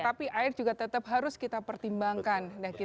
tapi air juga tetap harus kita pertimbangkan